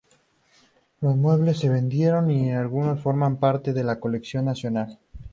Los muebles se vendieron y algunos forman parte de la colección nacional.